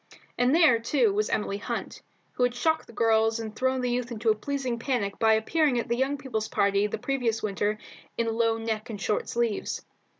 And there, too, was Emily Hunt, who had shocked the girls and thrown the youth into a pleasing panic by appearing at a young people's party the previous winter in low neck and short sleeves.